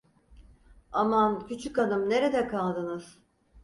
Aman, küçükhanım, nerede kaldınız?